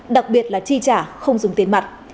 đặc biệt là chi trả không dùng tiền mặt